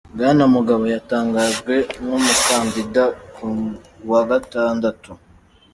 Bwana Mugabe yatangajwe nk'umukandida ku wa Gatandatu.